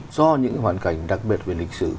do những hoàn cảnh đặc biệt về lịch sử